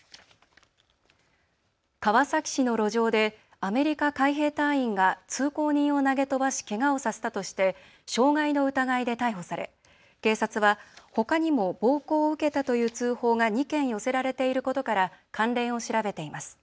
川崎市の路上でアメリカ海兵隊員が通行人を投げ飛ばし、けがをさせたとして傷害の疑いで逮捕され、警察はほかにも暴行を受けたという通報が２件寄せられていることから関連を調べています。